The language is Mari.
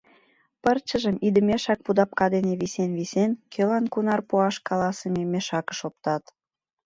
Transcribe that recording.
Пырчыжым, идымешак пудапка дене висен-висен, кӧлан кунар пуаш каласыме, мешакыш оптат.